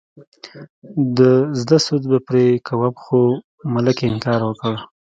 د زده سود به پرې کوم خو ملکې انکار وکړ.